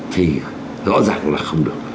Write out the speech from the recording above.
thì rõ ràng là không được